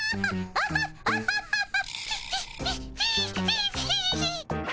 アハハハハ。